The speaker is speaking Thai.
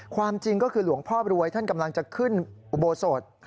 ความจริงก็คือหลวงพ่อรวยท่านกำลังจะขึ้นอุโบสถ